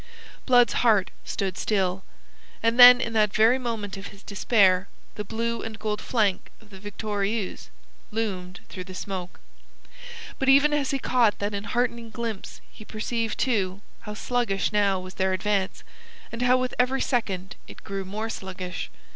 Blood's heart stood still. And then in that very moment of his despair, the blue and gold flank of the Victorieuse loomed through the smoke. But even as he caught that enheartening glimpse he perceived, too, how sluggish now was their advance, and how with every second it grew more sluggish.